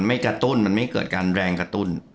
มันไม่เกิดการแรงกระตุ้น